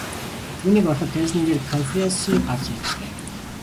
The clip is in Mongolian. Түүнийг ороход тайзан дээр КОНФЕРАНСЬЕ гарч ирж байв.